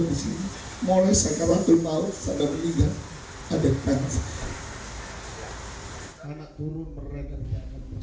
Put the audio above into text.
mulai saya kembali berpaut saya kembali berpaut ada panjang